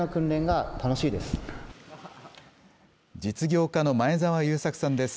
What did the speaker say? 実業家の前澤友作さんです。